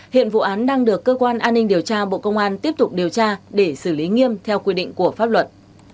hiện vụ án đang được cơ quan an ninh điều tra bộ công an tiếp tục điều tra để xử lý nghiêm theo quy định của pháp luật